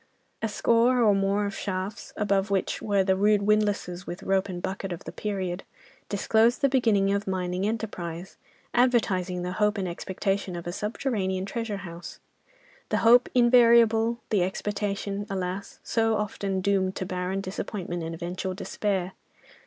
A score or more of shafts, above which were the rude windlasses with rope and bucket of the period, disclosed the beginning of mining enterprise, advertising the hope and expectation of a subterranean treasure house—the hope invariable, the expectation, alas! so often doomed to barren disappointment and eventual despair.